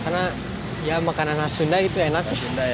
karena ya makanan asunda itu enak